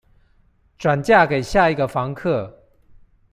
轉嫁給下一個房客